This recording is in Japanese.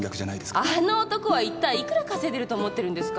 あの男は一体いくら稼いでると思ってるんですか？